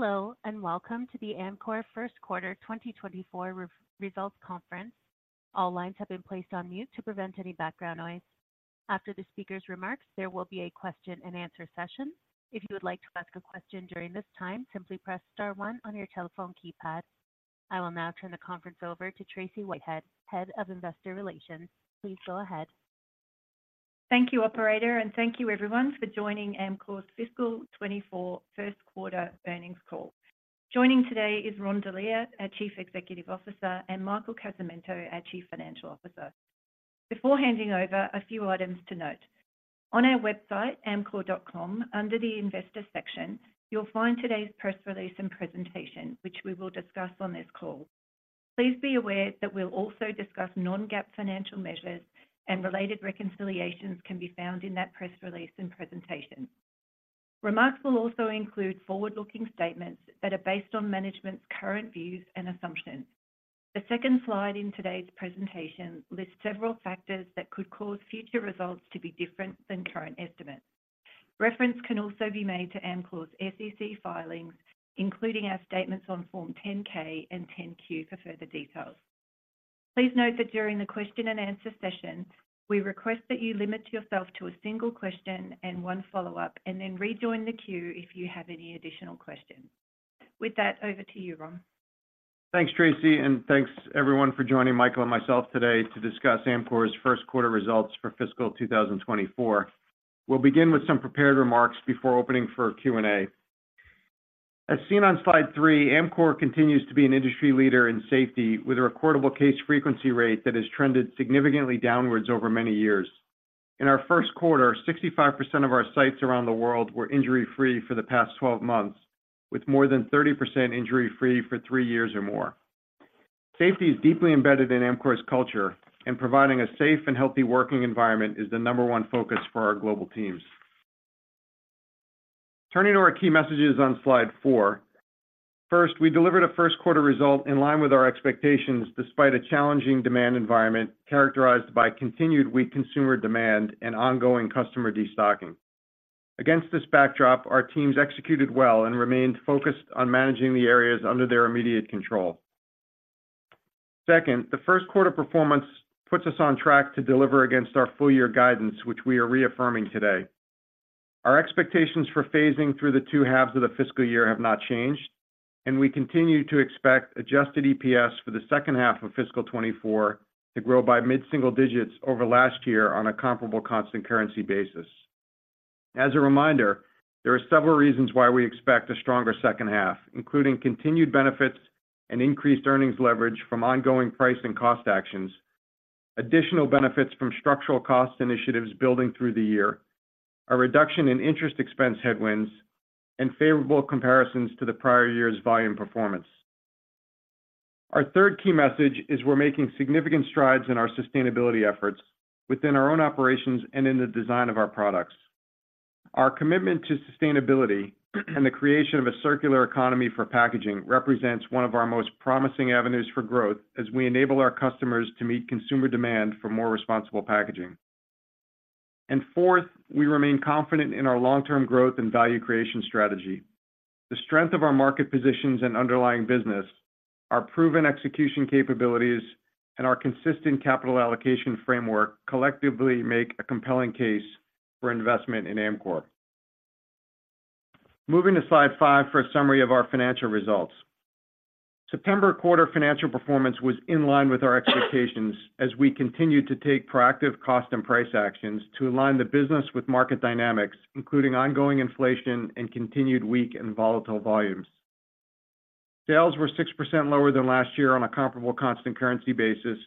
Hello, and welcome to the Amcor Q1 2024 Results Conference. All lines have been placed on mute to prevent any background noise. After the speaker's remarks, there will be a question-and-answer session. If you would like to ask a question during this time, simply press star one on your telephone keypad. I will now turn the conference over to Tracey Whitehead, Head of Investor Relations. Please go ahead. Thank you, operator, and thank you everyone for joining Amcor's Fiscal 2024 Q1 Earnings Call. Joining today is Ron Delia, our Chief Executive Officer, and Michael Casamento, our Chief Financial Officer. Before handing over, a few items to note. On our website, amcor.com, under the Investor section, you'll find today's press release and presentation, which we will discuss on this call. Please be aware that we'll also discuss non-GAAP financial measures, and related reconciliations can be found in that press release and presentation. Remarks will also include forward-looking statements that are based on management's current views and assumptions. The second slide in today's presentation lists several factors that could cause future results to be different than current estimates. Reference can also be made to Amcor's SEC filings, including our statements on Form 10-K and 10-Q for further details. Please note that during the question-and-answer session, we request that you limit yourself to a single question and one follow-up, and then rejoin the queue if you have any additional questions. With that, over to you, Ron. Thanks, Tracey, and thanks everyone for joining Michael and myself today to discuss Amcor's Q1 results for fiscal 2024. We'll begin with some prepared remarks before opening for Q&A. As seen on slide three, Amcor continues to be an industry leader in safety, with a recordable case frequency rate that has trended significantly downwards over many years. In our Q1, 65% of our sites around the world were injury-free for the past 12 months, with more than 30% injury-free for three years or more. Safety is deeply embedded in Amcor's culture, and providing a safe and healthy working environment is the number one focus for our global teams. Turning to our key messages on slide four. First, we delivered a Q1 result in line with our expectations, despite a challenging demand environment characterized by continued weak consumer demand and ongoing customer destocking. Against this backdrop, our teams executed well and remained focused on managing the areas under their immediate control. Second, the Q1 performance puts us on track to deliver against our full year guidance, which we are reaffirming today. Our expectations for phasing through the two halves of the fiscal year have not changed, and we continue to expect adjusted EPS for the H2 of fiscal 2024 to grow by mid-single digits over last year on a comparable constant currency basis. As a reminder, there are several reasons why we expect a stronger H2, including continued benefits and increased earnings leverage from ongoing price and cost actions, additional benefits from structural cost initiatives building through the year, a reduction in interest expense headwinds, and favorable comparisons to the prior year's volume performance. Our third key message is we're making significant strides in our sustainability efforts within our own operations and in the design of our products. Our commitment to sustainability, and the creation of a circular economy for packaging represents one of our most promising avenues for growth as we enable our customers to meet consumer demand for more responsible packaging. Fourth, we remain confident in our long-term growth and value creation strategy. The strength of our market positions and underlying business, our proven execution capabilities, and our consistent capital allocation framework collectively make a compelling case for investment in Amcor. Moving to slide five for a summary of our financial results. September quarter financial performance was in line with our expectations as we continued to take proactive cost and price actions to align the business with market dynamics, including ongoing inflation and continued weak and volatile volumes. Sales were 6% lower than last year on a Comparable Constant Currency basis,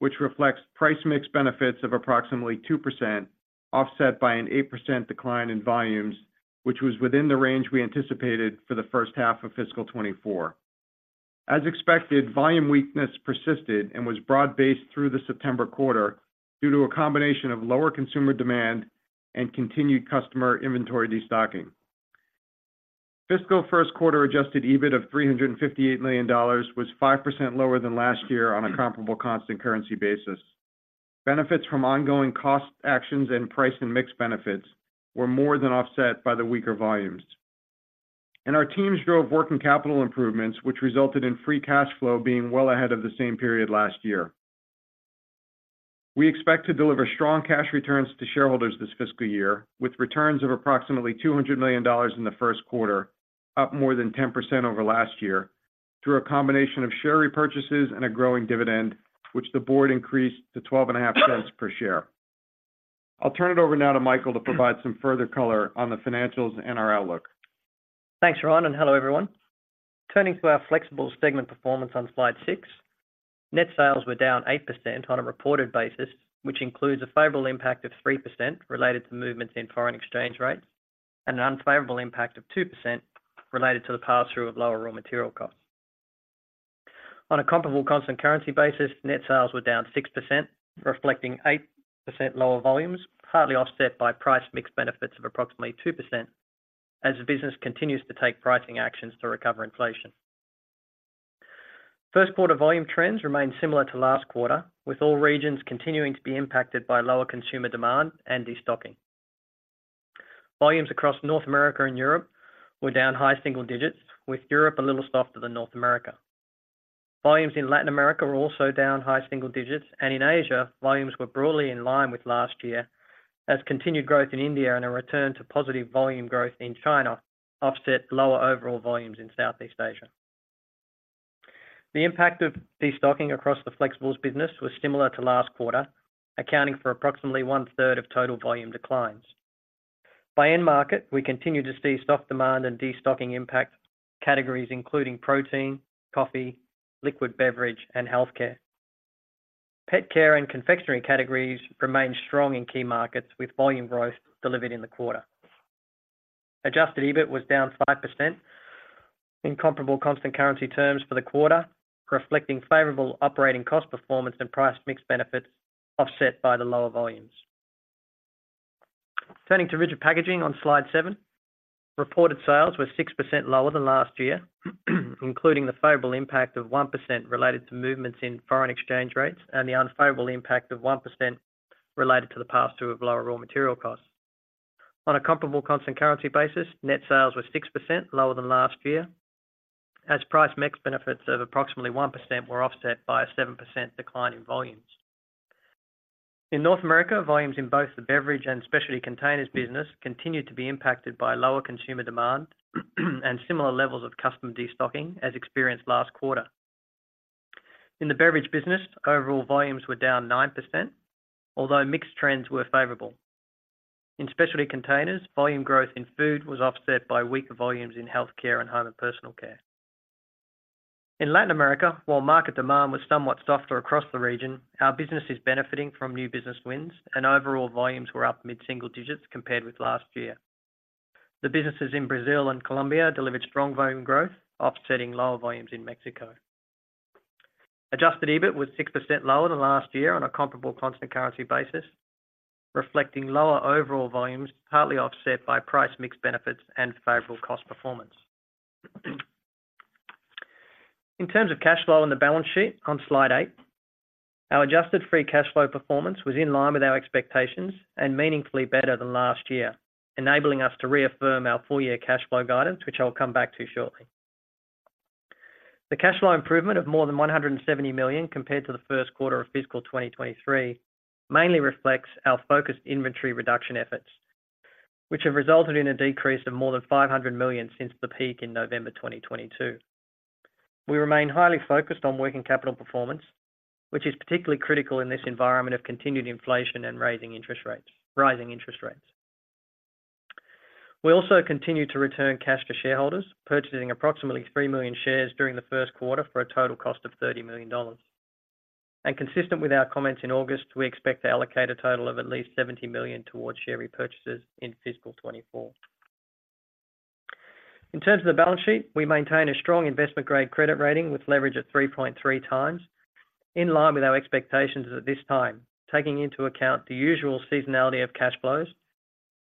which reflects Price Mix benefits of approximately 2%, offset by an 8% decline in volumes, which was within the range we anticipated for the H1 of fiscal 2024. As expected, volume weakness persisted and was broad-based through the September quarter due to a combination of lower consumer demand and continued customer inventory destocking. Fiscal Q1 Adjusted EBIT of $358 million was 5% lower than last year on a Comparable Constant Currency basis. Benefits from ongoing cost actions and price and mix benefits were more than offset by the weaker volumes, and our teams drove working capital improvements, which resulted in Free Cash Flow being well ahead of the same period last year. We expect to deliver strong cash returns to shareholders this fiscal year, with returns of approximately $200 million in the Q1, up more than 10% over last year, through a combination of share repurchases and a growing dividend, which the board increased to $0.125 per share. I'll turn it over now to Michael to provide some further color on the financials and our outlook. Thanks, Ron, and hello, everyone. Turning to our flexible segment performance on slide six, net sales were down 8% on a reported basis, which includes a favorable impact of 3% related to movements in foreign exchange rates, and an unfavorable impact of 2% related to the pass-through of lower raw material costs. On a comparable constant currency basis, net sales were down 6%, reflecting 8% lower volumes, partly offset by price mix benefits of approximately 2% as the business continues to take pricing actions to recover inflation. Q1 volume trends remained similar to last quarter, with all regions continuing to be impacted by lower consumer demand and destocking. Volumes across North America and Europe were down high single digits, with Europe a little softer than North America. Volumes in Latin America were also down high single digits, and in Asia, volumes were broadly in line with last year as continued growth in India and a return to positive volume growth in China offset lower overall volumes in Southeast Asia. The impact of destocking across the Flexibles business was similar to last quarter, accounting for approximately one-third of total volume declines. By end market, we continue to see stock demand and destocking impact categories including protein, coffee, liquid beverage, and healthcare. Pet care and confectionery categories remain strong in key markets, with volume growth delivered in the quarter. Adjusted EBIT was down 5% in comparable constant currency terms for the quarter, reflecting favorable operating cost performance and price mix benefits, offset by the lower volumes. Turning to Rigid Packaging on slide seven. Reported sales were 6% lower than last year, including the favorable impact of 1% related to movements in foreign exchange rates and the unfavorable impact of 1% related to the pass-through of lower raw material costs. On a Comparable Constant Currency basis, net sales were 6% lower than last year, as price mix benefits of approximately 1% were offset by a 7% decline in volumes. In North America, volumes in both the beverage and specialty containers business continued to be impacted by lower consumer demand and similar levels of customer destocking as experienced last quarter. In the beverage business, overall volumes were down 9%, although mix trends were favorable. In specialty containers, volume growth in food was offset by weaker volumes in healthcare and home and personal care. In Latin America, while market demand was somewhat softer across the region, our business is benefiting from new business wins, and overall volumes were up mid-single digits compared with last year. The businesses in Brazil and Colombia delivered strong volume growth, offsetting lower volumes in Mexico. Adjusted EBIT was 6% lower than last year on a Comparable Constant Currency basis, reflecting lower overall volumes, partly offset by Price Mix benefits and favorable cost performance. In terms of cash flow on the balance sheet on slide eight, our adjusted free cash flow performance was in line with our expectations and meaningfully better than last year, enabling us to reaffirm our full-year cash flow guidance, which I'll come back to shortly. The cash flow improvement of more than $170 million compared to the Q1 of fiscal 2023, mainly reflects our focused inventory reduction efforts, which have resulted in a decrease of more than $500 million since the peak in November 2022. We remain highly focused on working capital performance, which is particularly critical in this environment of continued inflation and rising interest rates. We also continue to return cash to shareholders, purchasing approximately three million shares during the Q1 for a total cost of $30 million. Consistent with our comments in August, we expect to allocate a total of at least $70 million towards share repurchases in fiscal 2024. In terms of the balance sheet, we maintain a strong investment-grade credit rating with leverage at 3.3 times, in line with our expectations at this time, taking into account the usual seasonality of cash flows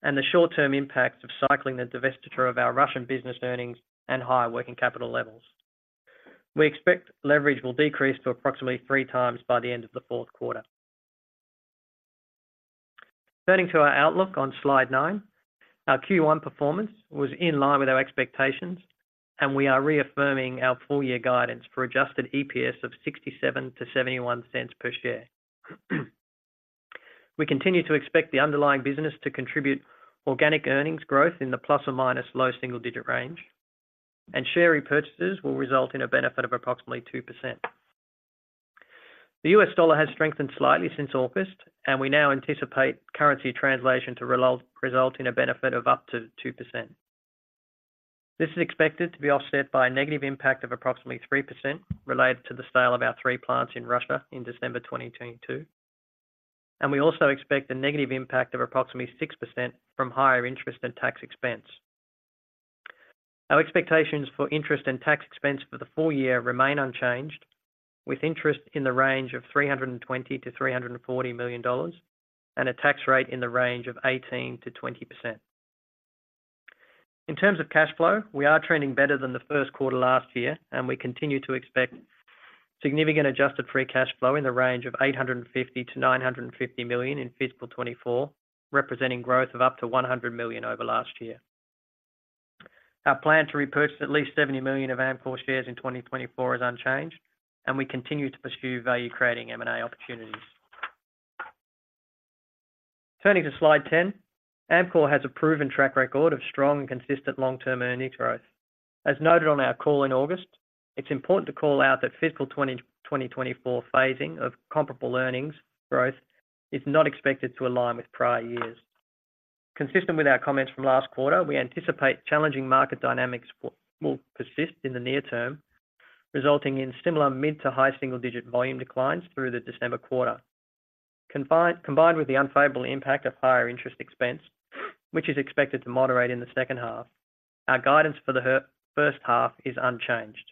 and the short-term impacts of cycling the divestiture of our Russian business earnings and higher working capital levels. We expect leverage will decrease to approximately 3x by the end of the Q4. Turning to our outlook on slide nine. Our Q1 performance was in line with our expectations, and we are reaffirming our full-year guidance for Adjusted EPS of $0.67 to $0.71 per share. We continue to expect the underlying business to contribute organic earnings growth in the ± low single-digit range, and share repurchases will result in a benefit of approximately 2%. The US dollar has strengthened slightly since August, and we now anticipate currency translation to result in a benefit of up to 2%. This is expected to be offset by a negative impact of approximately 3% related to the sale of our three plants in Russia in December 2022, and we also expect a negative impact of approximately 6% from higher interest and tax expense. Our expectations for interest and tax expense for the full year remain unchanged, with interest in the range of $320 million-$340 million, and a tax rate in the range of 18%-20%. In terms of cash flow, we are trending better than the Q1 last year, and we continue to expect significant adjusted free cash flow in the range of $850 million-$950 million in fiscal 2024, representing growth of up to $100 million over last year. Our plan to repurchase at least 70 million of Amcor shares in 2024 is unchanged, and we continue to pursue value-creating M&A opportunities. Turning to slide 10, Amcor has a proven track record of strong and consistent long-term earnings growth. As noted on our call in August, it's important to call out that fiscal 2024 phasing of comparable earnings growth is not expected to align with prior years. Consistent with our comments from last quarter, we anticipate challenging market dynamics will persist in the near term, resulting in similar mid- to high single-digit volume declines through the December quarter. Combined with the unfavorable impact of higher interest expense, which is expected to moderate in the H2, our guidance for the H1 is unchanged.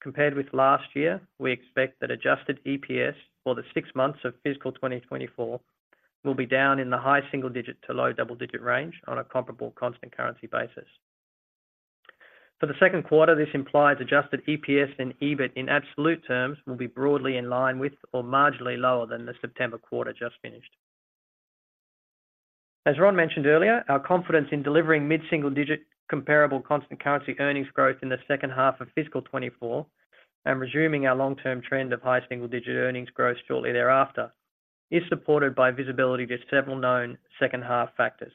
Compared with last year, we expect that Adjusted EPS for the six months of fiscal 2024 will be down in the high single-digit to low double-digit range on a comparable constant currency basis. For the Q2, this implies Adjusted EPS and EBIT in absolute terms will be broadly in line with or marginally lower than the September quarter just finished. As Ron mentioned earlier, our confidence in delivering mid-single-digit comparable constant currency earnings growth in the H2 of fiscal 2024, and resuming our long-term trend of high single-digit earnings growth shortly thereafter, is supported by visibility to several known second-half factors.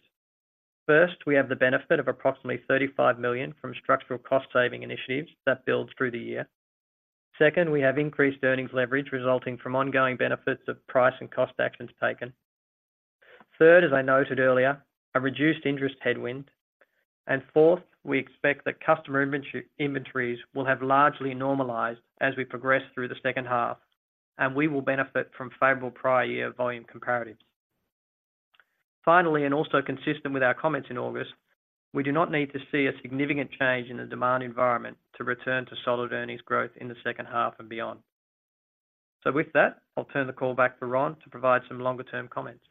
First, we have the benefit of approximately $35 million from structural cost-saving initiatives that builds through the year. Second, we have increased earnings leverage resulting from ongoing benefits of price and cost actions taken. Third, as I noted earlier, a reduced interest headwind. And fourth, we expect that customer inventories will have largely normalized as we progress through the H2, and we will benefit from favorable prior year volume comparatives. Finally, and also consistent with our comments in August, we do not need to see a significant change in the demand environment to return to solid earnings growth in the H2 and beyond. With that, I'll turn the call back to Ron to provide some longer-term comments.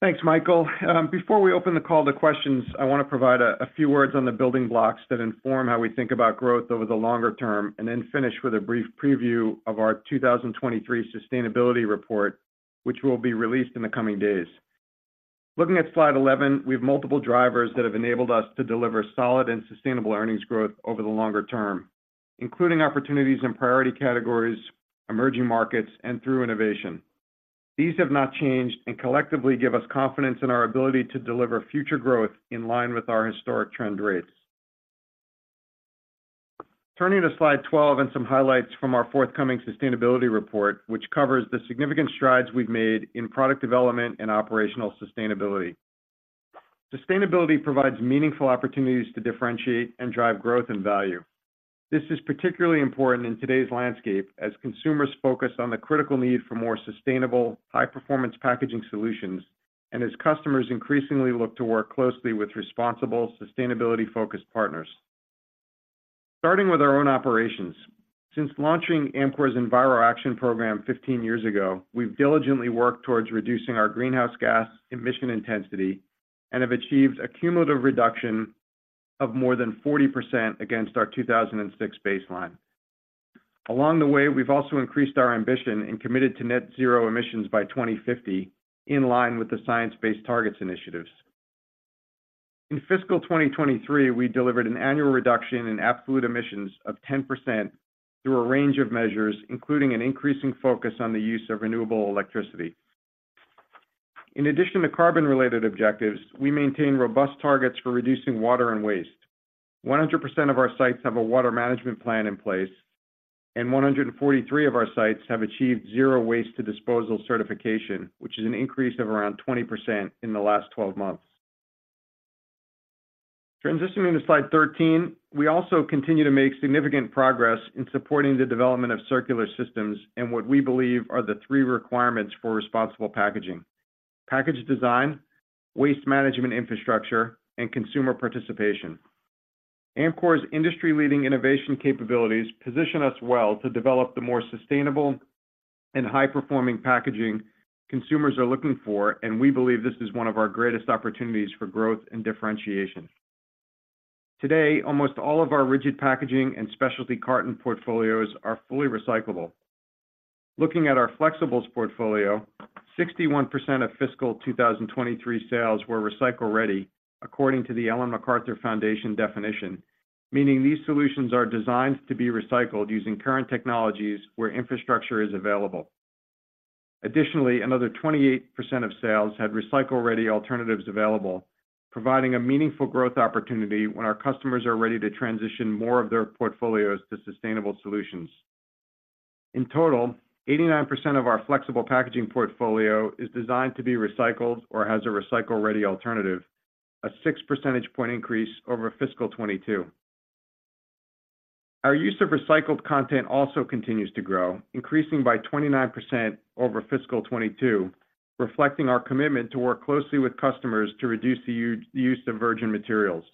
Thanks, Michael. Before we open the call to questions, I want to provide a few words on the building blocks that inform how we think about growth over the longer term, and then finish with a brief preview of our 2023 sustainability report, which will be released in the coming days. Looking at slide 11, we have multiple drivers that have enabled us to deliver solid and sustainable earnings growth over the longer term, including opportunities in priority categories, emerging markets, and through innovation. These have not changed and collectively give us confidence in our ability to deliver future growth in line with our historic trend rates. Turning to slide 12 and some highlights from our forthcoming sustainability report, which covers the significant strides we've made in product development and operational sustainability. Sustainability provides meaningful opportunities to differentiate and drive growth and value. This is particularly important in today's landscape as consumers focus on the critical need for more sustainable, high-performance packaging solutions, and as customers increasingly look to work closely with responsible, sustainability-focused partners. Starting with our own operations, since launching Amcor's EnviroAction program 15 years ago, we've diligently worked towards reducing our greenhouse gas emission intensity and have achieved a cumulative reduction of more than 40% against our 2006 baseline. Along the way, we've also increased our ambition and committed to net zero emissions by 2050, in line with the Science Based Targets initiatives. In fiscal 2023, we delivered an annual reduction in absolute emissions of 10% through a range of measures, including an increasing focus on the use of renewable electricity. In addition to carbon-related objectives, we maintain robust targets for reducing water and waste. 100% of our sites have a water management plan in place, and 143 of our sites have achieved zero waste to disposal certification, which is an increase of around 20% in the last twelve months. Transitioning to slide 13, we also continue to make significant progress in supporting the development of circular systems and what we believe are the three requirements for responsible packaging: package design, waste management infrastructure, and consumer participation. Amcor's industry-leading innovation capabilities position us well to develop the more sustainable and high-performing packaging consumers are looking for, and we believe this is one of our greatest opportunities for growth and differentiation. Today, almost all of our rigid packaging and specialty carton portfolios are fully recyclable. Looking at our flexibles portfolio, 61% of fiscal 2023 sales were recycle-ready, according to the Ellen MacArthur Foundation definition, meaning these solutions are designed to be recycled using current technologies where infrastructure is available. Additionally, another 28% of sales had recycle-ready alternatives available, providing a meaningful growth opportunity when our customers are ready to transition more of their portfolios to sustainable solutions. In total, 89% of our flexible packaging portfolio is designed to be recycled or has a recycle-ready alternative, a six percentage point increase over fiscal 2022. Our use of recycled content also continues to grow, increasing by 29% over fiscal 2022, reflecting our commitment to work closely with customers to reduce the use of virgin materials.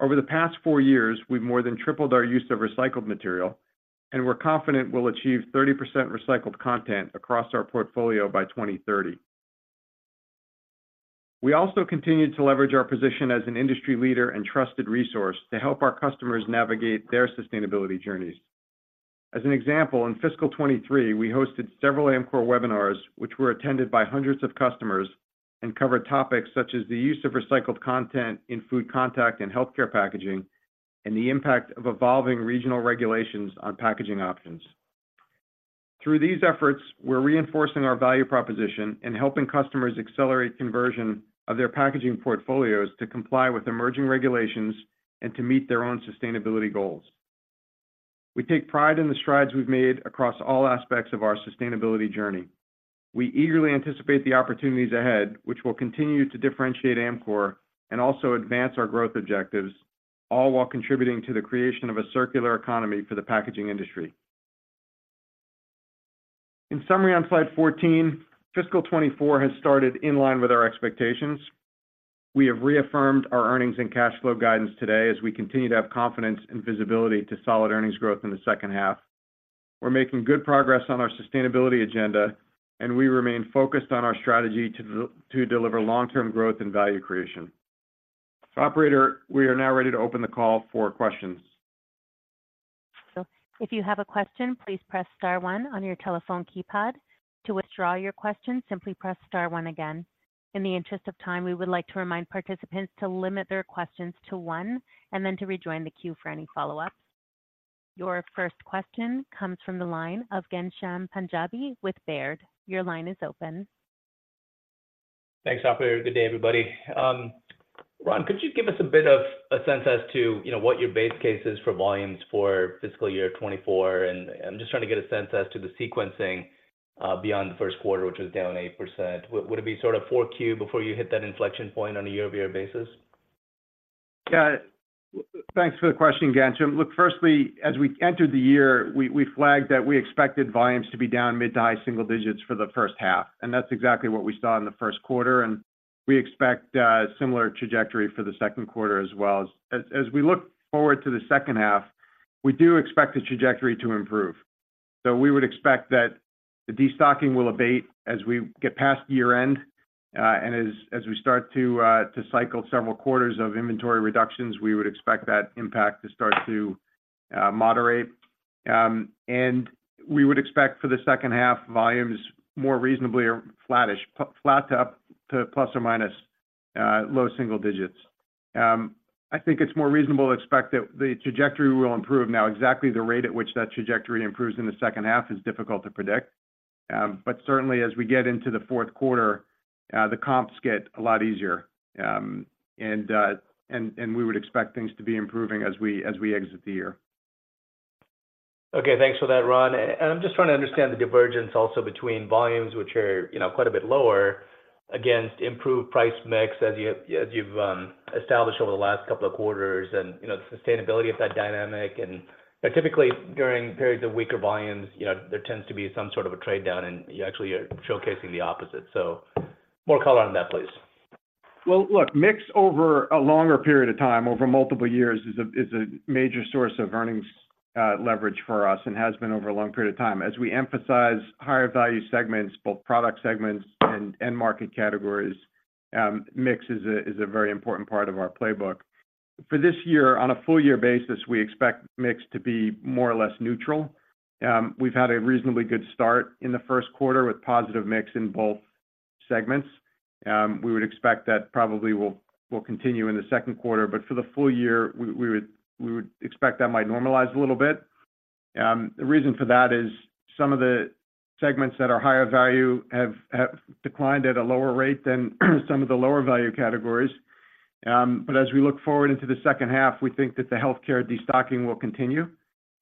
Over the past four years, we've more than tripled our use of recycled material, and we're confident we'll achieve 30% recycled content across our portfolio by 2030. We also continued to leverage our position as an industry leader and trusted resource to help our customers navigate their sustainability journeys. As an example, in fiscal 2023, we hosted several Amcor webinars, which were attended by hundreds of customers and covered topics such as the use of recycled content in food contact and healthcare packaging, and the impact of evolving regional regulations on packaging options. Through these efforts, we're reinforcing our value proposition and helping customers accelerate conversion of their packaging portfolios to comply with emerging regulations and to meet their own sustainability goals. We take pride in the strides we've made across all aspects of our sustainability journey. We eagerly anticipate the opportunities ahead, which will continue to differentiate Amcor and also advance our growth objectives, all while contributing to the creation of a circular economy for the packaging industry. In summary, on slide 14, fiscal 2024 has started in line with our expectations. We have reaffirmed our earnings and cash flow guidance today as we continue to have confidence and visibility to solid earnings growth in the H2. We're making good progress on our sustainability agenda, and we remain focused on our strategy to deliver long-term growth and value creation. Operator, we are now ready to open the call for questions. So if you have a question, please press star one on your telephone keypad. To withdraw your question, simply press star one again. In the interest of time, we would like to remind participants to limit their questions to one, and then to rejoin the queue for any follow-up. Your first question comes from the line of Ghansham Panjabi with Baird. Your line is open. Thanks, operator. Good day, everybody. Ron, could you give us a bit of a sense as to, you know, what your base case is for volumes for fiscal year 2024? And I'm just trying to get a sense as to the sequencing beyond the Q1, which was down 8%. Would it be sort of 4Q before you hit that inflection point on a year-over-year basis? Yeah. Thanks for the question, Ghansham. Look, firstly, as we entered the year, we flagged that we expected volumes to be down mid-to-high single digits for the H1, and that's exactly what we saw in the Q1, and we expect a similar trajectory for the Q2 as well. As we look forward to the H2, we do expect the trajectory to improve. So we would expect that the destocking will abate as we get past year-end, and as we start to cycle several quarters of inventory reductions, we would expect that impact to start to moderate. And we would expect for the H2 volumes more reasonably or flattish, flat to up to plus or minus low single digits. I think it's more reasonable to expect that the trajectory will improve. Now, exactly the rate at which that trajectory improves in the H2 is difficult to predict. But certainly, as we get into the Q4, the comps get a lot easier. And we would expect things to be improving as we exit the year. Okay, thanks for that, Ron. And I'm just trying to understand the divergence also between volumes which are, you know, quite a bit lower against improved price mix as you, as you've established over the last couple of quarters and, you know, the sustainability of that dynamic. And typically, during periods of weaker volumes, you know, there tends to be some sort of a trade-down, and you actually are showcasing the opposite. So more color on that, please. Well, look, mix over a longer period of time, over multiple years is a major source of earnings leverage for us and has been over a long period of time. As we emphasize higher value segments, both product segments and end market categories, mix is a very important part of our playbook. For this year, on a full year basis, we expect mix to be more or less neutral. We've had a reasonably good start in the Q1 with positive mix in both segments. We would expect that probably will continue in the Q2, but for the full year, we would expect that might normalize a little bit. The reason for that is some of the segments that are higher value have declined at a lower rate than some of the lower value categories. But as we look forward into the H2, we think that the healthcare destocking will continue,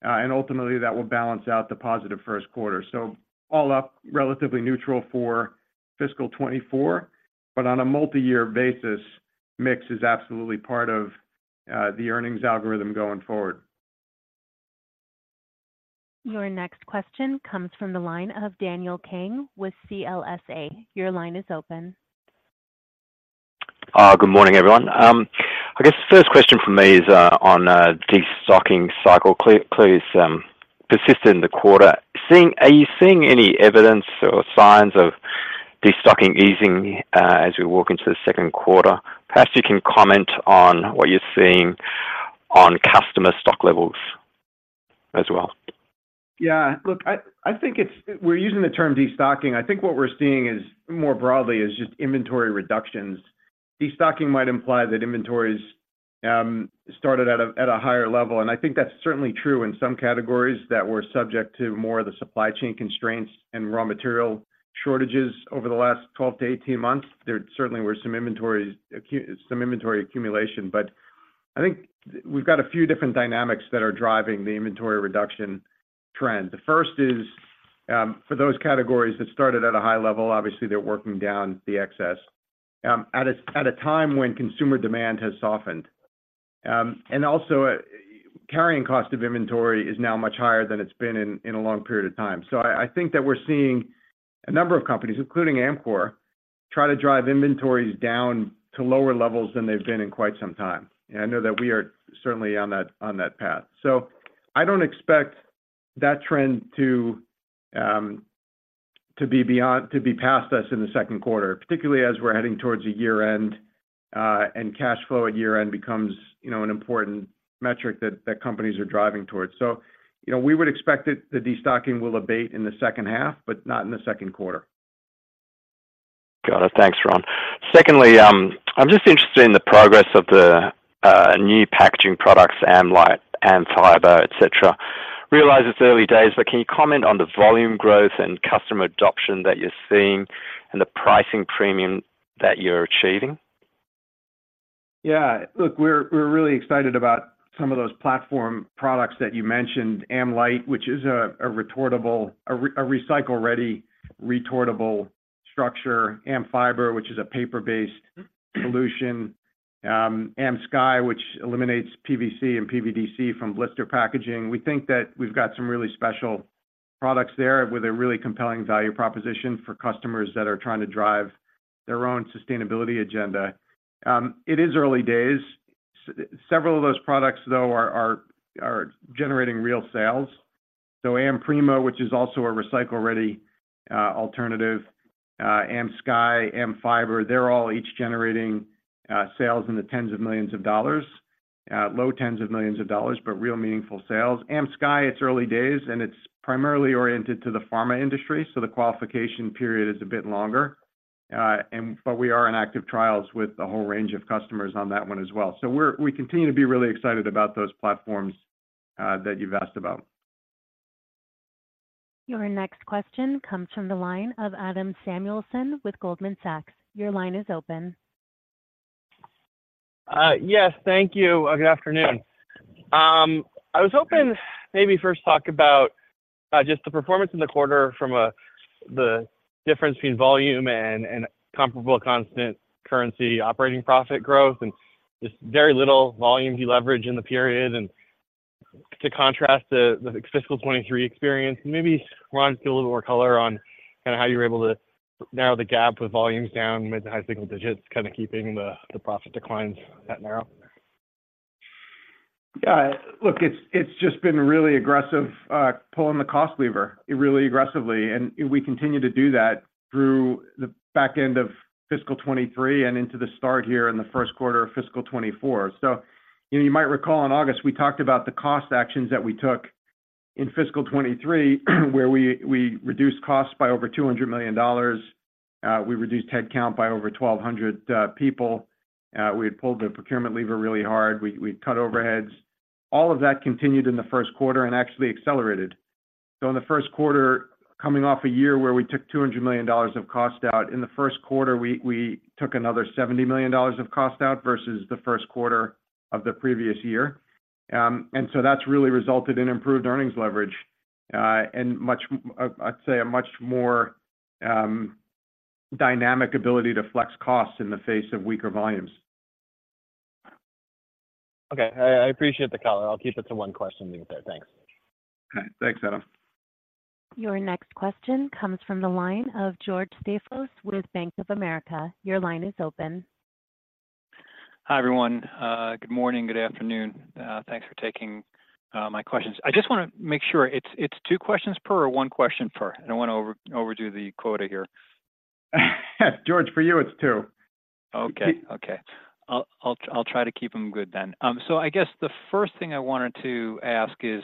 and ultimately that will balance out the positive Q1. So all up, relatively neutral for fiscal 2024, but on a multi-year basis, mix is absolutely part of the earnings algorithm going forward. Your next question comes from the line of Daniel Kang with CLSA. Your line is open. Good morning, everyone. I guess the first question from me is on destocking cycle. Clearly, some persistent in the quarter. Are you seeing any evidence or signs of destocking easing as we walk into the Q2? Perhaps you can comment on what you're seeing on customer stock levels as well. Yeah, look, I think it's, we're using the term destocking. I think what we're seeing more broadly is just inventory reductions. Destocking might imply that inventories started at a higher level, and I think that's certainly true in some categories that were subject to more of the supply chain constraints and raw material shortages over the last 12-18 months. There certainly were some inventory accumulation, but I think we've got a few different dynamics that are driving the inventory reduction trend. The first is, for those categories that started at a high level, obviously, they're working down the excess at a time when consumer demand has softened. And also, carrying cost of inventory is now much higher than it's been in a long period of time. So I think that we're seeing a number of companies, including Amcor, try to drive inventories down to lower levels than they've been in quite some time. And I know that we are certainly on that path. So I don't expect that trend to be past us in the Q2, particularly as we're heading towards a year-end, and cash flow at year-end becomes, you know, an important metric that companies are driving towards. So, you know, we would expect that the destocking will abate in the H2, but not in the Q2. Got it. Thanks, Ron. Secondly, I'm just interested in the progress of the new packaging products, AmLite, AmFiber, et cetera. Realize it's early days, but can you comment on the volume growth and customer adoption that you're seeing and the pricing premium that you're achieving? Yeah, look, we're really excited about some of those platform products that you mentioned. AmLite, which is a retortable, recycle-ready retortable structure. AmFiber, which is a paper-based solution. AmSky, which eliminates PVC and PVDC from blister packaging. We think that we've got some really special products there with a really compelling value proposition for customers that are trying to drive their own sustainability agenda. It is early days. Several of those products, though, are generating real sales. So AmPrima, which is also a recycle-ready alternative, AmSky, AmFiber, they're all each generating sales in the tens of millions of dollars, low tens of millions of dollars, but real meaningful sales. AmSky, it's early days, and it's primarily oriented to the pharma industry, so the qualification period is a bit longer. But we are in active trials with a whole range of customers on that one as well. So we continue to be really excited about those platforms that you've asked about. Your next question comes from the line of Adam Samuelson with Goldman Sachs. Your line is open. Yes, thank you. Good afternoon. I was hoping maybe first talk about just the performance in the quarter, the difference between volume and comparable constant-currency operating profit growth, and just very little volume leverage in the period. To contrast the fiscal 2023 experience, maybe, Ron, just a little more color on kind of how you were able to narrow the gap with volumes down mid- to high-single digits, kind of keeping the profit declines that narrow. Yeah, look, it's, it's just been really aggressive, pulling the cost lever, really aggressively, and we continue to do that through the back end of fiscal 2023 and into the start here in the Q1 of fiscal 2024. So, you know, you might recall in August, we talked about the cost actions that we took in fiscal 2023, where we, we reduced costs by over $200 million. We reduced headcount by over 1,200 people. We had pulled the procurement lever really hard. We, we'd cut overheads. All of that continued in the Q1 and actually accelerated. So in the Q1, coming off a year where we took $200 million of cost out, in the Q1, we, we took another $70 million of cost out versus the Q1 of the previous year. And so that's really resulted in improved earnings leverage, and I'd say a much more dynamic ability to flex costs in the face of weaker volumes. Okay. I appreciate the color. I'll keep it to one question then. Thanks. Okay. Thanks, Adam. Your next question comes from the line of George Staphos with Bank of America. Your line is open. Hi, everyone. Good morning, good afternoon. Thanks for taking my questions. I just want to make sure it's two questions per or one question per? I don't want to overdo the quota here. George, for you, it's two. Okay. Okay. I'll try to keep them good then. So I guess the first thing I wanted to ask is,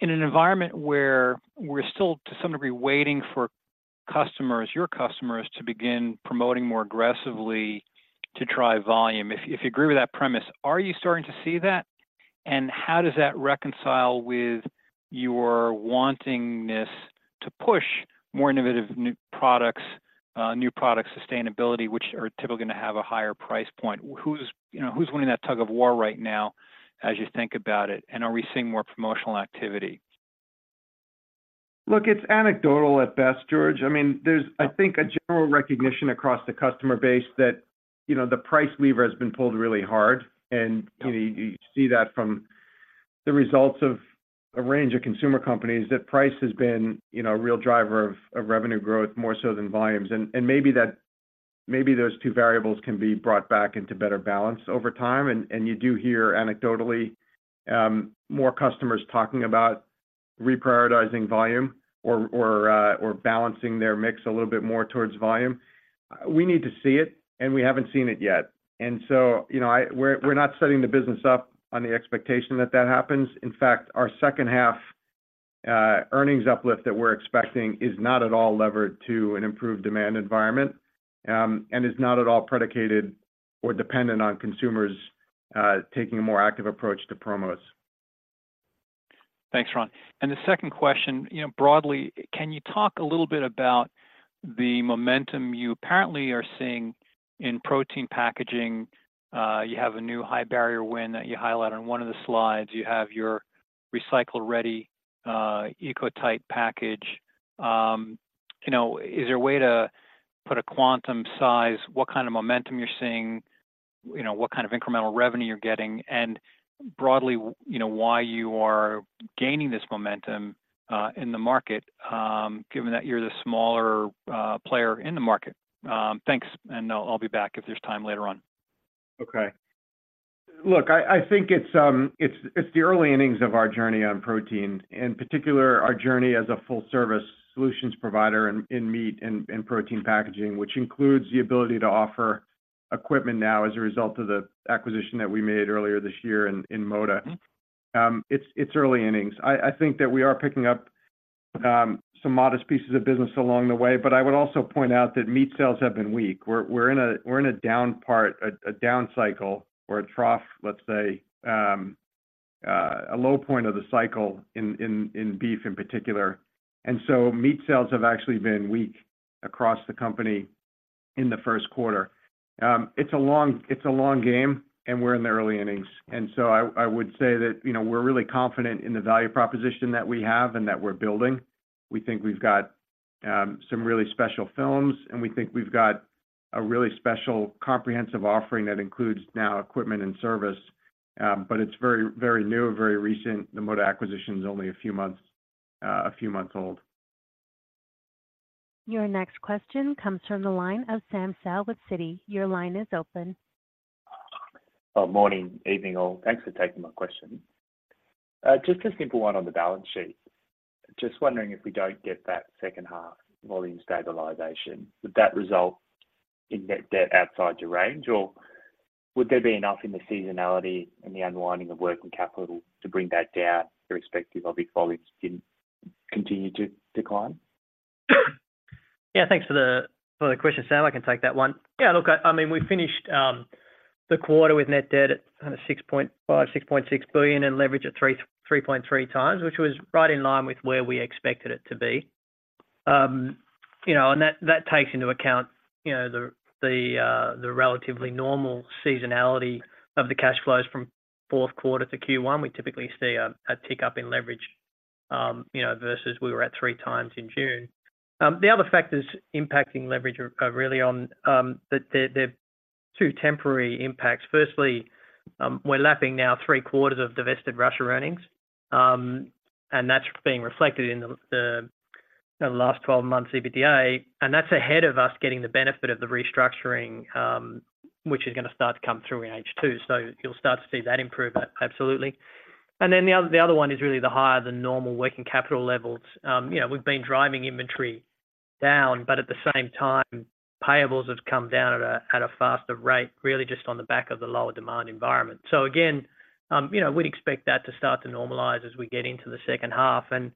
in an environment where we're still, to some degree, waiting for customers, your customers, to begin promoting more aggressively to drive volume, if you agree with that premise, are you starting to see that? And how does that reconcile with your wanting this to push more innovative new products, new product sustainability, which are typically going to have a higher price point? Who's, you know, who's winning that tug-of-war right now, as you think about it, and are we seeing more promotional activity? Look, it's anecdotal at best, George. I mean, there's, I think, a general recognition across the customer base that, you know, the price lever has been pulled really hard. And, you know, you see that from the results of a range of consumer companies, that price has been, you know, a real driver of revenue growth, more so than volumes. And maybe that, maybe those two variables can be brought back into better balance over time. And you do hear anecdotally more customers talking about reprioritizing volume or, or balancing their mix a little bit more towards volume. We need to see it, and we haven't seen it yet. And so, you know, we're not setting the business up on the expectation that that happens. In fact, our H2 earnings uplift that we're expecting is not at all levered to an improved demand environment, and is not at all predicated or dependent on consumers taking a more active approach to promos. Thanks, Ron. And the second question, you know, broadly, can you talk a little bit about the momentum you apparently are seeing in protein packaging? You have a new high barrier win that you highlight on one of the slides. You have your recycle-ready, eco-type package. You know, is there a way to put a quantum size, what kind of momentum you're seeing, you know, what kind of incremental revenue you're getting? And broadly, you know, why you are gaining this momentum, in the market, given that you're the smaller, player in the market? Thanks, and I'll be back if there's time later on. Okay. Look, I think it's the early innings of our journey on protein, in particular, our journey as a full-service solutions provider in meat and protein packaging, which includes the ability to offer equipment now as a result of the acquisition that we made earlier this year in Moda. It's early innings. I think that we are picking up some modest pieces of business along the way, but I would also point out that meat sales have been weak. We're in a down part, a down cycle or a trough, let's say, a low point of the cycle in beef, in particular. And so meat sales have actually been weak across the company in the Q1. It's a long, it's a long game, and we're in the early innings. So I would say that, you know, we're really confident in the value proposition that we have and that we're building. We think we've got some really special films, and we think we've got a really special comprehensive offering that includes now equipment and service, but it's very, very new, very recent. The Moda acquisition is only a few months, a few months old. Your next question comes from the line of Sam Sal with Citi. Your line is open. Morning, evening, all. Thanks for taking my question. Just a simple one on the balance sheet. Just wondering if we don't get that H2 volume stabilization, would that result in net debt outside your range, or would there be enough in the seasonality and the unwinding of working capital to bring that down, irrespective of if volumes didn't continue to decline? Yeah, thanks for the, for the question, Sam. I can take that one. Yeah, look, I, I mean, we finished the quarter with net debt at kind of $6.5-$6.6 billion and leverage at 3.3 times, which was right in line with where we expected it to be. You know, and that takes into account the relatively normal seasonality of the cash flows from Q4 to Q1. We typically see a tick up in leverage, you know, versus we were at three times in June. The other factors impacting leverage are really on the two temporary impacts. Firstly, we're lapping now three quarters of divested Russia earnings, and that's being reflected in the last twelve months EBITDA, and that's ahead of us getting the benefit of the restructuring, which is gonna start to come through in H2. So you'll start to see that improvement, absolutely. And then the other one is really the higher than normal working capital levels. You know, we've been driving inventory down, but at the same time, payables have come down at a faster rate, really just on the back of the lower demand environment. So again, you know, we'd expect that to start to normalize as we get into the H2 and,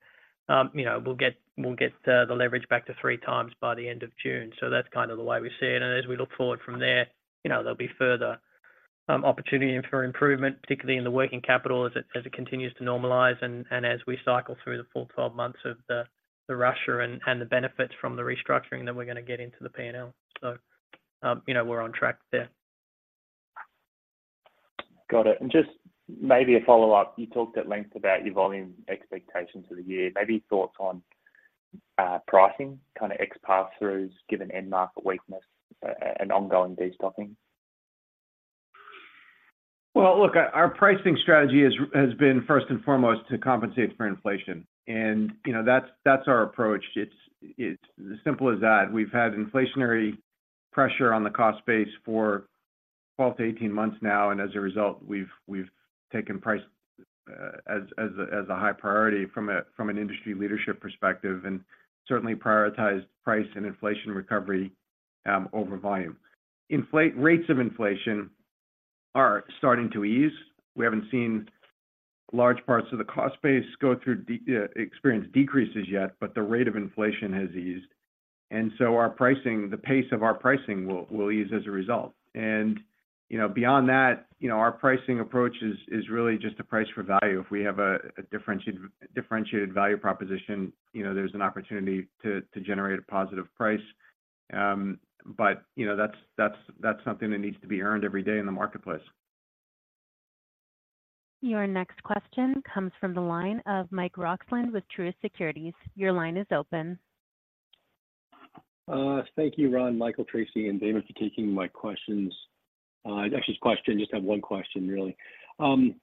you know, we'll get- we'll get the leverage back to three times by the end of June. So that's kind of the way we see it. And as we look forward from there, you know, there'll be further opportunity for improvement, particularly in the working capital as it continues to normalize and as we cycle through the full 12 months of the Russia and the benefits from the restructuring that we're gonna get into the P&L. So, you know, we're on track there. Got it. And just maybe a follow-up, you talked at length about your volume expectations for the year. Maybe thoughts on, pricing, kinda ex pass-throughs, given end market weakness, and ongoing destocking? Well, look, our pricing strategy has been first and foremost to compensate for inflation, and, you know, that's our approach. It's as simple as that. We've had inflationary pressure on the cost base for 12-18 months now, and as a result, we've taken price as a high priority from an industry leadership perspective, and certainly prioritized price and inflation recovery over volume. Inflation rates are starting to ease. We haven't seen large parts of the cost base experience decreases yet, but the rate of inflation has eased, and so our pricing, the pace of our pricing will ease as a result. And, you know, beyond that, you know, our pricing approach is really just a price for value. If we have a differentiated value proposition, you know, there's an opportunity to generate a positive price. But, you know, that's something that needs to be earned every day in the marketplace. Your next question comes from the line of Mike Roxland with Truist Securities. Your line is open. Thank you, Ron, Michael, Tracey, and Damon for taking my questions. Actually, just one question, really. You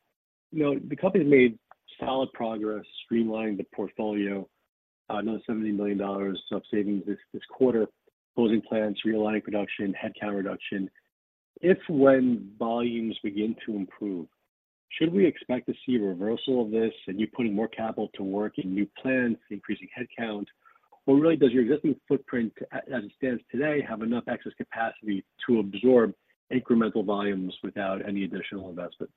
know, the company has made solid progress streamlining the portfolio, another $70 million of savings this quarter, closing plants, realigning production, headcount reduction. If when volumes begin to improve, should we expect to see a reversal of this and you putting more capital to work in new plants, increasing headcount? Or really, does your existing footprint, as it stands today, have enough excess capacity to absorb incremental volumes without any additional investment?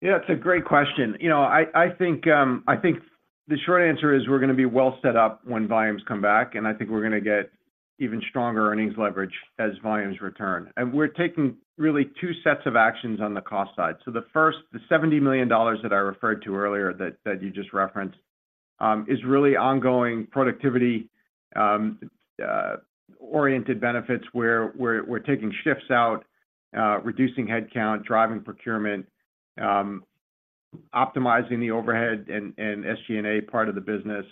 Yeah, it's a great question. You know, I think the short answer is we're gonna be well set up when volumes come back, and I think we're gonna get even stronger earnings leverage as volumes return. And we're taking really two sets of actions on the cost side. So the first, the $70 million that I referred to earlier, that you just referenced, is really ongoing productivity oriented benefits, where we're taking shifts out, reducing headcount, driving procurement, optimizing the overhead and SG&A part of the business.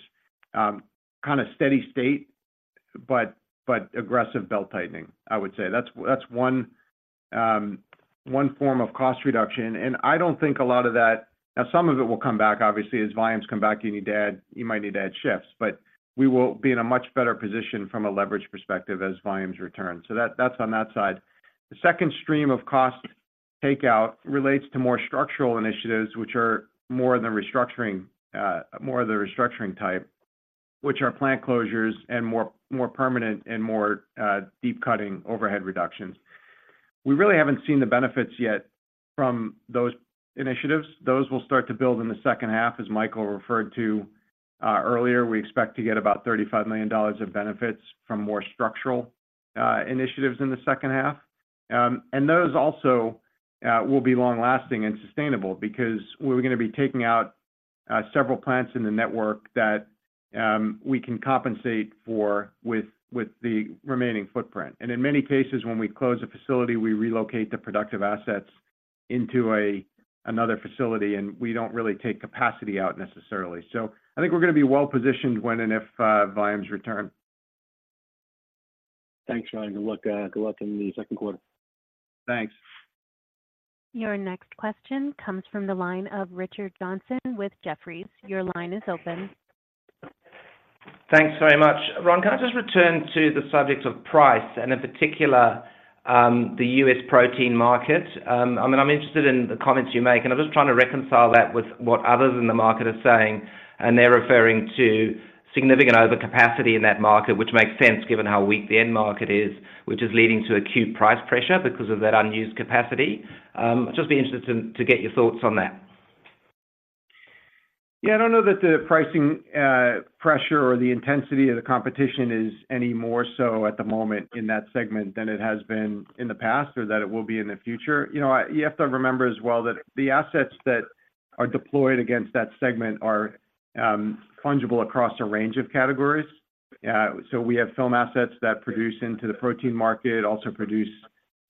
Kinda steady state, but aggressive belt-tightening, I would say. That's one form of cost reduction, and I don't think a lot of that. Now, some of it will come back. Obviously, as volumes come back, you need to add, you might need to add shifts, but we will be in a much better position from a leverage perspective as volumes return. So that, that's on that side. The second stream of cost takeout relates to more structural initiatives, which are more the restructuring type, which are plant closures and more permanent and deep cutting overhead reductions. We really haven't seen the benefits yet from those initiatives. Those will start to build in the H2, as Michael referred to earlier. We expect to get about $35 million of benefits from more structural initiatives in the H2. And those also will be long-lasting and sustainable because we're gonna be taking out several plants in the network that we can compensate for with the remaining footprint. In many cases, when we close a facility, we relocate the productive assets into another facility, and we don't really take capacity out necessarily. So I think we're gonna be well-positioned when and if volumes return. Thanks, Ron. Good luck, good luck in the Q2. Thanks. Your next question comes from the line of Richard Johnson with Jefferies. Your line is open. Thanks very much. Ron, can I just return to the subject of price and in particular, the US protein market? I mean, I'm interested in the comments you make, and I'm just trying to reconcile that with what others in the market are saying, and they're referring to significant overcapacity in that market, which makes sense given how weak the end market is, which is leading to acute price pressure because of that unused capacity. Just be interested to get your thoughts on that. Yeah, I don't know that the pricing pressure or the intensity of the competition is any more so at the moment in that segment than it has been in the past or that it will be in the future. You know, you have to remember as well that the assets that are deployed against that segment are fungible across a range of categories. So we have film assets that produce into the protein market, also produce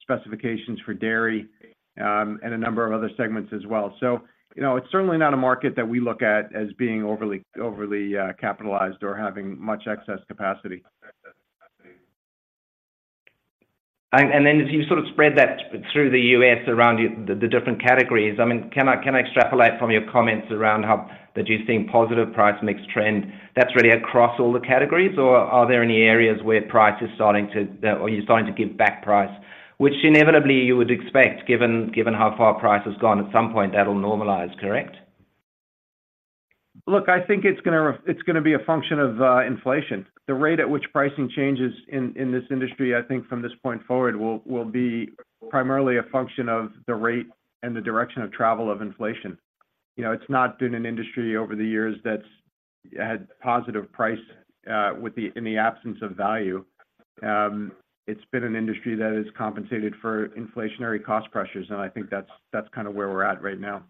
specifications for dairy and a number of other segments as well. So, you know, it's certainly not a market that we look at as being overly, overly capitalized or having much excess capacity. And then as you sort of spread that through the U.S. around the different categories, I mean, can I extrapolate from your comments around how that you're seeing positive price mix trend? That's really across all the categories, or are there any areas where price is starting to, or you're starting to give back price, which inevitably you would expect, given how far price has gone, at some point that'll normalize, correct? Look, I think it's gonna be a function of inflation. The rate at which pricing changes in this industry, I think from this point forward, will be primarily a function of the rate and the direction of travel of inflation. You know, it's not been an industry over the years that's had positive price in the absence of value. It's been an industry that is compensated for inflationary cost pressures, and I think that's kind of where we're at right now.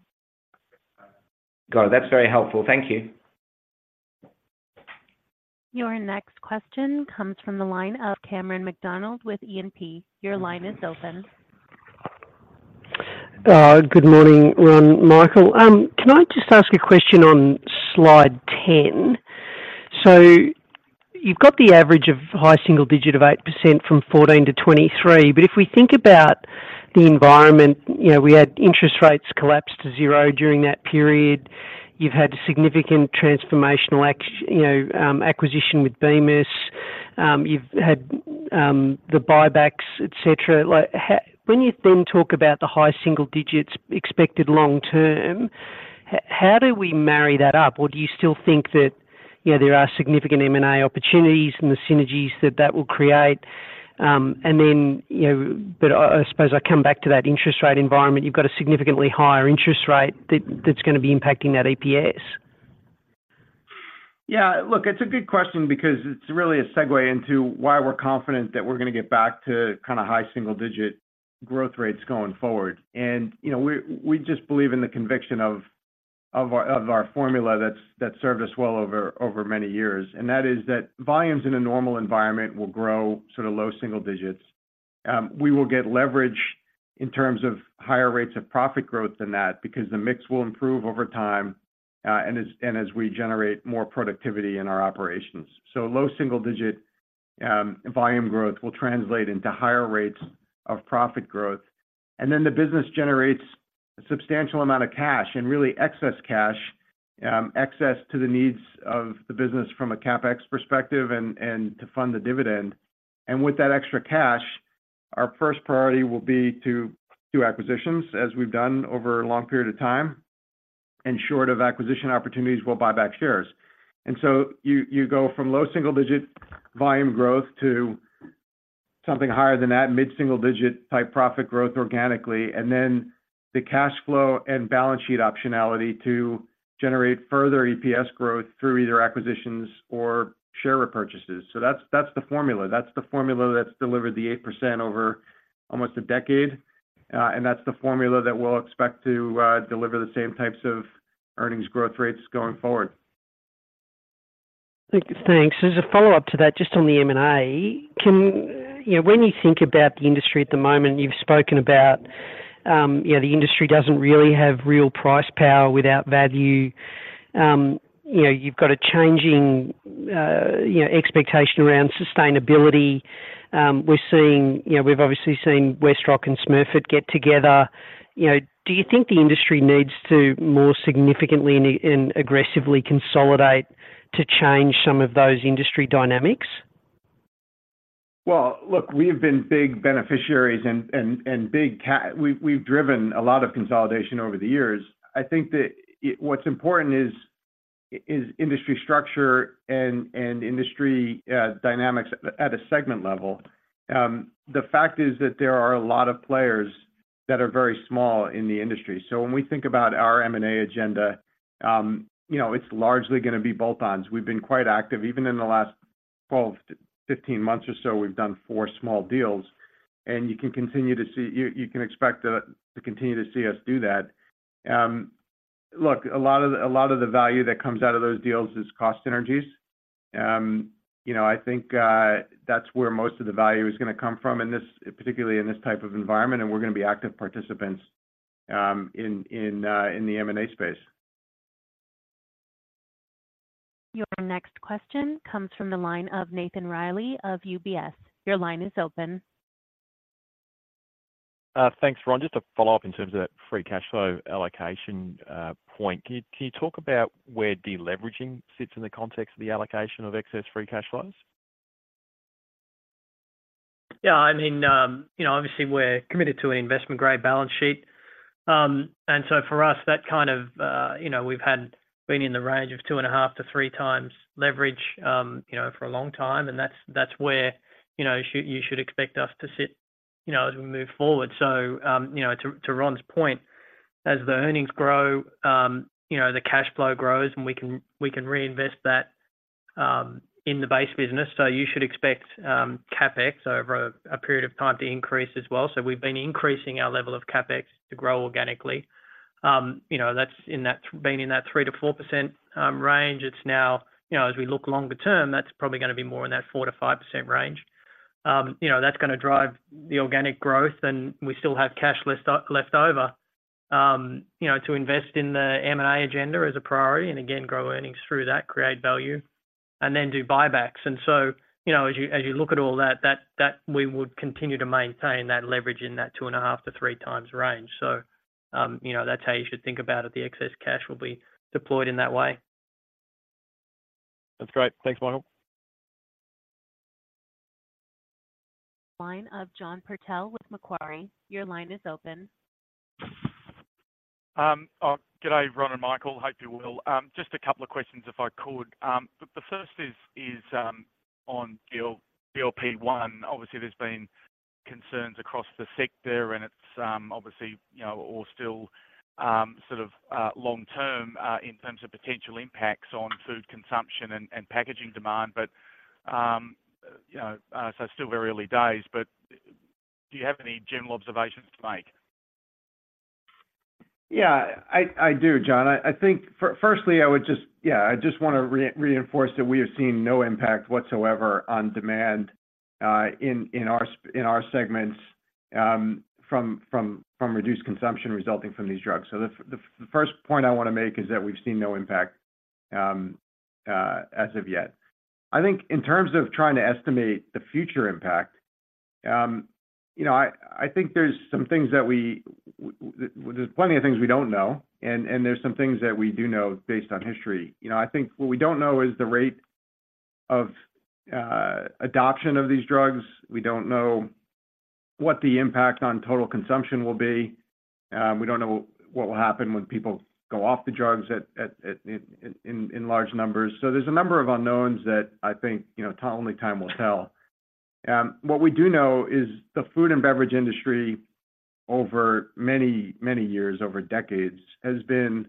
Got it. That's very helpful. Thank you. Your next question comes from the line of Cameron McDonald with E&P. Your line is open. Good morning, Ron, Michael. Can I just ask a question on slide 10? So you've got the average of high single digit of 8% from 2014 to 2023. But if we think about the environment, you know, we had interest rates collapse to zero during that period. You've had significant transformational acquisition with Bemis. You've had the buybacks, et cetera. Like, how—when you then talk about the high single digits expected long-term, how do we marry that up? Or do you still think that, you know, there are significant M&A opportunities and the synergies that will create? And then, you know, but I suppose I come back to that interest rate environment. You've got a significantly higher interest rate that's gonna be impacting that EPS. Yeah, look, it's a good question because it's really a segue into why we're confident that we're gonna get back to kind of high single-digit growth rates going forward. And, you know, we just believe in the conviction of our formula that's that served us well over many years. And that is that volumes in a normal environment will grow sort of low single digits. We will get leverage in terms of higher rates of profit growth than that because the mix will improve over time, and as we generate more productivity in our operations. So low single-digit volume growth will translate into higher rates of profit growth, and then the business generates a substantial amount of cash and really excess cash, excess to the needs of the business from a CapEx perspective and, and to fund the dividend. And with that extra cash, our first priority will be to do acquisitions, as we've done over a long period of time, and short of acquisition opportunities, we'll buy back shares. And so you go from low single-digit volume growth to something higher than that, mid single-digit type profit growth organically, and then the cash flow and balance sheet optionality to generate further EPS growth through either acquisitions or share repurchases. So that's the formula. That's the formula that's delivered the 8% over almost a decade, and that's the formula that we'll expect to deliver the same types of earnings growth rates going forward. Thank you. Thanks. As a follow-up to that, just on the M&A, you know, when you think about the industry at the moment, you've spoken about, you know, the industry doesn't really have real price power without value. You know, you've got a changing, you know, expectation around sustainability. We're seeing, you know, we've obviously seen WestRock and Smurfit get together. You know, do you think the industry needs to more significantly and, and aggressively consolidate to change some of those industry dynamics? Well, look, we have been big beneficiaries and we've driven a lot of consolidation over the years. I think that what's important is industry structure and industry dynamics at a segment level. The fact is that there are a lot of players that are very small in the industry. So when we think about our M&A agenda, you know, it's largely gonna be bolt-ons. We've been quite active. Even in the last 12-15 months or so, we've done four small deals, and you can expect to continue to see us do that. Look, a lot of the value that comes out of those deals is cost synergies. You know, I think that's where most of the value is gonna come from, in this, particularly in this type of environment, and we're gonna be active participants in the M&A space. Your next question comes from the line of Nathan Riley of UBS. Your line is open. Thanks, Ron. Just to follow up in terms of that Free Cash Flow allocation point, can you talk about where deleveraging sits in the context of the allocation of excess Free Cash Flows? Yeah, I mean, you know, obviously, we're committed to an investment-grade balance sheet. And so for us, that kind of, you know, we've had been in the range of 2.5-3 times leverage, you know, for a long time, and that's, that's where, you know, you, you should expect us to sit, you know, as we move forward. So, you know, to, to Ron's point, as the earnings grow, you know, the cash flow grows, and we can, we can reinvest that, in the base business. So you should expect, CapEx over a period of time to increase as well. So we've been increasing our level of CapEx to grow organically. You know, that's been in that 3%-4% range. It's now, you know, as we look longer term, that's probably gonna be more in that 4%-5% range. You know, that's gonna drive the organic growth, and we still have cash left over, you know, to invest in the M&A agenda as a priority, and again, grow earnings through that, create value, and then do buybacks. And so, you know, as you look at all that, we would continue to maintain that leverage in that 2.5-3 times range. So, you know, that's how you should think about it. The excess cash will be deployed in that way. That's great. Thanks, Michael. Line of John Purtell with Macquarie. Your line is open. Good day, Ron and Michael, hope you're well. Just a couple of questions, if I could. The first is on GLP-1. Obviously, there's been concerns across the sector, and it's obviously, you know, all still sort of long-term in terms of potential impacts on food consumption and packaging demand, but you know so still very early days, but do you have any general observations to make? Yeah, I do, John. I think firstly, I would just, yeah, I just want to reinforce that we have seen no impact whatsoever on demand in our segments from reduced consumption resulting from these drugs. So the first point I wanna make is that we've seen no impact as of yet. I think in terms of trying to estimate the future impact, you know, I think there's some things that we, there's plenty of things we don't know, and there's some things that we do know based on history. You know, I think what we don't know is the rate of adoption of these drugs. We don't know what the impact on total consumption will be. We don't know what will happen when people go off the drugs in large numbers. So there's a number of unknowns that I think, you know, only time will tell. What we do know is the food and beverage industry over many, many years, over decades, has been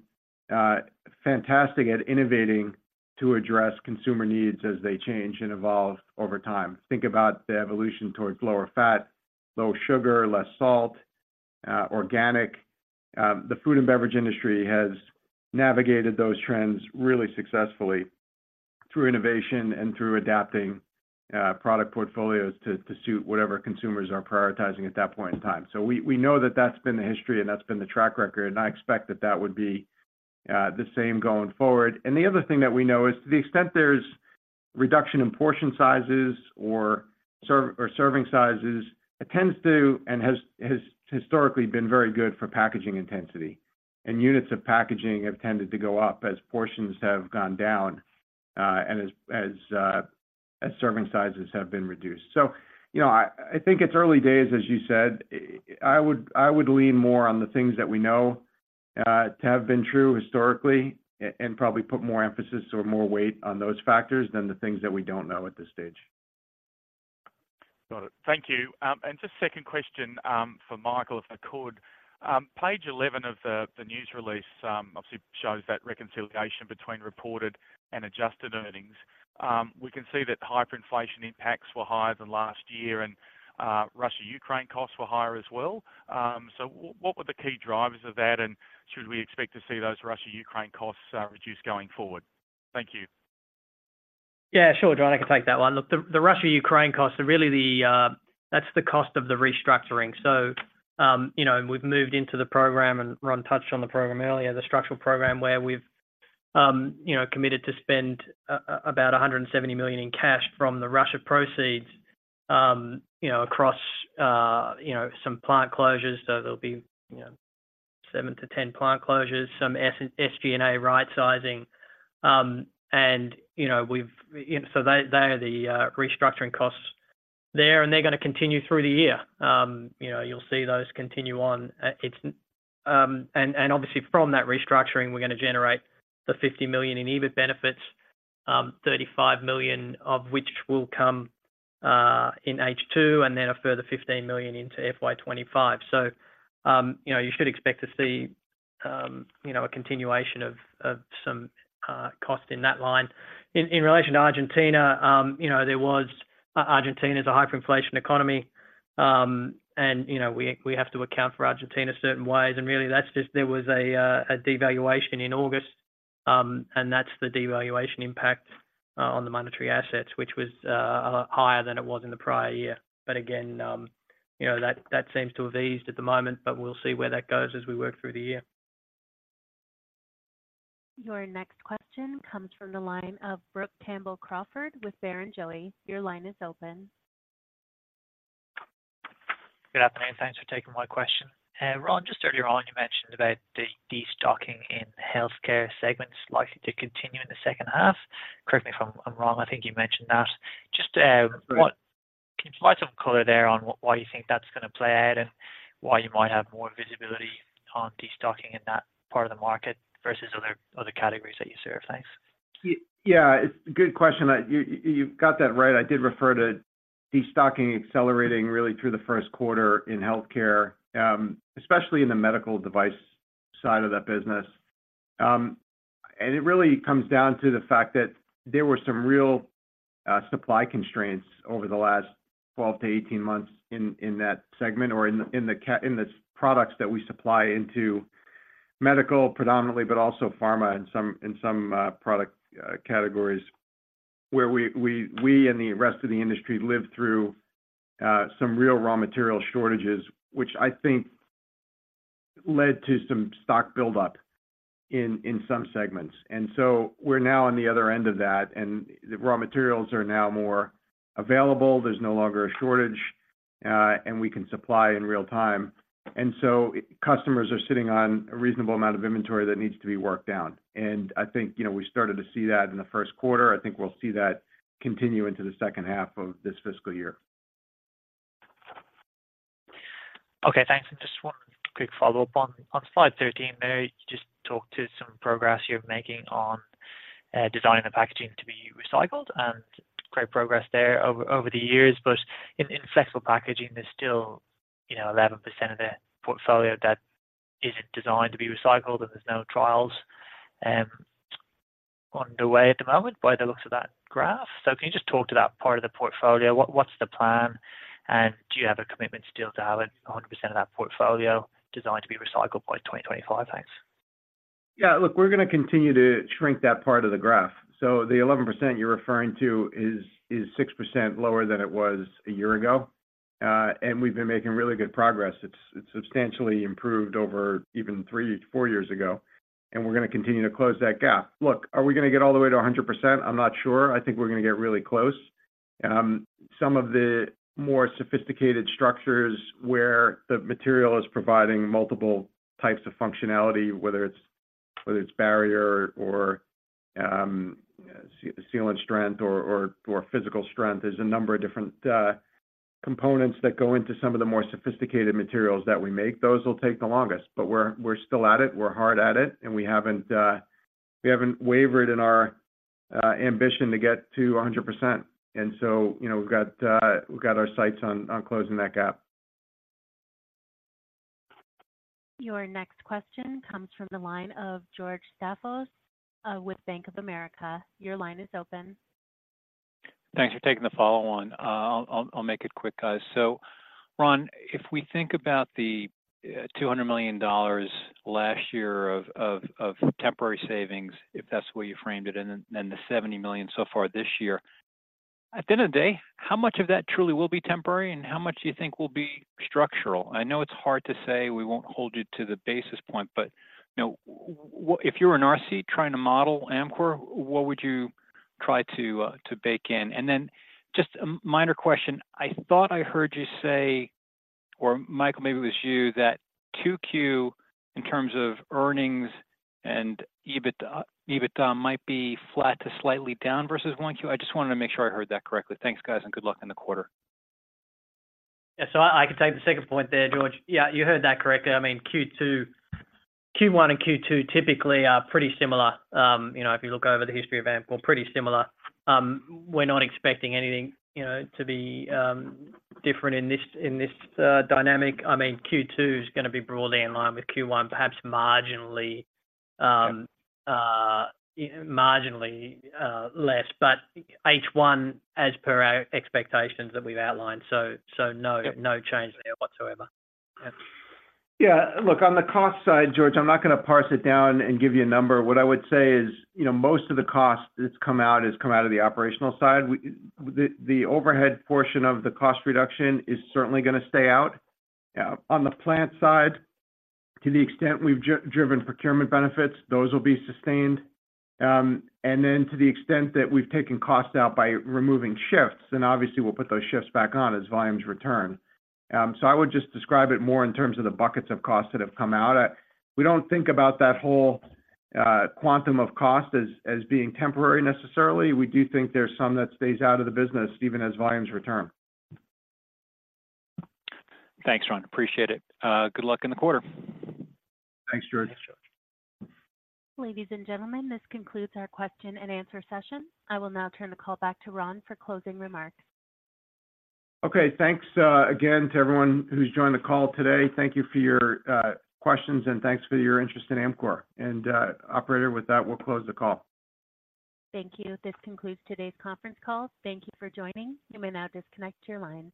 fantastic at innovating to address consumer needs as they change and evolve over time. Think about the evolution towards lower fat, low sugar, less salt, organic. The food and beverage industry has navigated those trends really successfully through innovation and through adapting product portfolios to suit whatever consumers are prioritizing at that point in time. So we know that that's been the history and that's been the track record, and I expect that that would be the same going forward. And the other thing that we know is, to the extent there's reduction in portion sizes or serving sizes, it tends to, and has historically been very good for packaging intensity, and units of packaging have tended to go up as portions have gone down, and as serving sizes have been reduced. So, you know, I think it's early days, as you said. I would lean more on the things that we know to have been true historically, and probably put more emphasis or more weight on those factors than the things that we don't know at this stage. Got it. Thank you. And just second question, for Michael, if I could. Page 11 of the news release obviously shows that reconciliation between reported and adjusted earnings. We can see that the hyperinflation impacts were higher than last year, and Russia, Ukraine costs were higher as well. So what were the key drivers of that, and should we expect to see those Russia, Ukraine costs reduced going forward? Thank you. Yeah, sure, John, I can take that one. Look, the Russia, Ukraine costs are really the, that's the cost of the restructuring. So, you know, we've moved into the program, and Ron touched on the program earlier, the structural program, where we've, you know, committed to spend about $170 million in cash from the Russia proceeds, you know, across, you know, some plant closures. So there'll be, you know, 7-10 plant closures, some SG&A right sizing. And, you know, we've, you know, so they, they are the restructuring costs there, and they're gonna continue through the year. You know, you'll see those continue on, it's. And obviously, from that restructuring, we're gonna generate the $50 million in EBIT benefits, $35 million of which will come in H2, and then a further $15 million into FY 2025. So, you know, you should expect to see, you know, a continuation of some cost in that line. In relation to Argentina, you know, there was. Argentina is a hyperinflation economy, and, you know, we have to account for Argentina certain ways, and really, that's just there was a devaluation in August, and that's the devaluation impact. On the monetary assets, which was higher than it was in the prior year. But again, you know, that seems to have eased at the moment, but we'll see where that goes as we work through the year. Your next question comes from the line of Brooke Campbell-Crawford with Barrenjoey. Your line is open. Good afternoon, thanks for taking my question. Ron, just earlier on, you mentioned about the destocking in healthcare segments likely to continue in the H2. Correct me if I'm wrong, I think you mentioned that. Just. Right. Can you provide some color there on why you think that's gonna play out, and why you might have more visibility on destocking in that part of the market versus other, other categories that you serve? Thanks. Yeah, it's a good question. You, you've got that right. I did refer to destocking accelerating really through the Q1 in healthcare, especially in the medical device side of that business. And it really comes down to the fact that there were some real supply constraints over the last 12-18 months in that segment or in the products that we supply into medical, predominantly, but also pharma in some product categories. Where we and the rest of the industry lived through some real raw material shortages, which I think led to some stock buildup in some segments. And so we're now on the other end of that, and the raw materials are now more available. There's no longer a shortage, and we can supply in real time. So customers are sitting on a reasonable amount of inventory that needs to be worked down. I think, you know, we started to see that in the Q1. I think we'll see that continue into the H2 of this fiscal year. Okay, thanks. And just one quick follow-up on slide thirteen there, you just talked to some progress you're making on designing the packaging to be recycled, and great progress there over the years. But in flexible packaging, there's still, you know, 11% of the portfolio that isn't designed to be recycled, and there's no trials underway at the moment by the looks of that graph. So can you just talk to that part of the portfolio? What's the plan, and do you have a commitment still to have 100% of that portfolio designed to be recycled by 2025? Thanks. Yeah, look, we're gonna continue to shrink that part of the graph. So the 11% you're referring to is, is 6% lower than it was a year ago. And we've been making really good progress. It's, it's substantially improved over even three, four years ago, and we're gonna continue to close that gap. Look, are we gonna get all the way to 100%? I'm not sure. I think we're gonna get really close. Some of the more sophisticated structures where the material is providing multiple types of functionality, whether it's, whether it's barrier or, sealant strength or, or, or physical strength, there's a number of different components that go into some of the more sophisticated materials that we make. Those will take the longest, but we're still at it, we're hard at it, and we haven't wavered in our ambition to get to 100%. And so, you know, we've got our sights on closing that gap. Your next question comes from the line of George Staphos with Bank of America. Your line is open. Thanks for taking the follow-on. I'll make it quick, guys. So Ron, if we think about the $200 million last year of temporary savings, if that's the way you framed it, and then the $70 million so far this year. At the end of the day, how much of that truly will be temporary, and how much do you think will be structural? I know it's hard to say, we won't hold you to the basis point, but, you know, if you were in our seat trying to model Amcor, what would you try to bake in? And then just a minor question, I thought I heard you say, or Michael, maybe it was you, that 2Q, in terms of earnings and EBITDA might be flat to slightly down versus 1Q. I just wanted to make sure I heard that correctly. Thanks, guys, and good luck in the quarter. Yeah, so I can take the second point there, George. Yeah, you heard that correctly. I mean, Q2, Q1 and Q2 typically are pretty similar. You know, if you look over the history of Amcor, pretty similar. We're not expecting anything, you know, to be different in this dynamic. I mean, Q2 is gonna be broadly in line with Q1, perhaps marginally less, but H1 as per our expectations that we've outlined. So no. Yep No change there whatsoever. Yep. Yeah, look, on the cost side, George, I'm not gonna parse it down and give you a number. What I would say is, you know, most of the cost that's come out has come out of the operational side. We, the overhead portion of the cost reduction is certainly gonna stay out. On the plant side, to the extent we've driven procurement benefits, those will be sustained. And then to the extent that we've taken costs out by removing shifts, then obviously we'll put those shifts back on as volumes return. So I would just describe it more in terms of the buckets of costs that have come out. We don't think about that whole quantum of cost as being temporary necessarily. We do think there's some that stays out of the business even as volumes return. Thanks, Ron. Appreciate it. Good luck in the quarter. Thanks, George. Ladies and gentlemen, this concludes our question-and-answer session. I will now turn the call back to Ron for closing remarks. Okay, thanks, again, to everyone who's joined the call today. Thank you for your questions, and thanks for your interest in Amcor. Operator, with that, we'll close the call. Thank you. This concludes today's conference call. Thank you for joining. You may now disconnect your line.